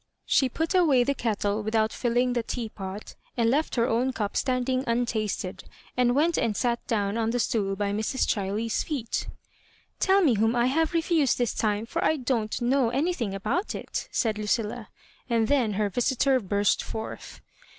She put away the kettle with out filling the teapot and left her own cup stand ing untasted, and went and sat down on the stool by Mrs. Chiley's feet Tell me whom I have refused this time, for I don^t know any thing about it," said Lucilla; and then her visitor burst forth.